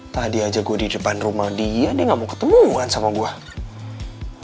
tadi aja gue di depan rumah dia dia gak mau ketemuan sama gue